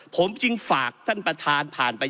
ผมจึงฝากท่านประธานผ่านไป